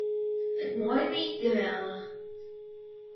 It muoit my geweldich.